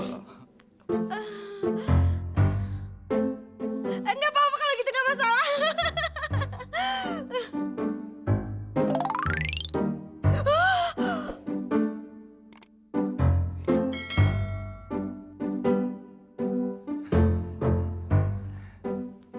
nggak apa apa kalau gitu nggak masalah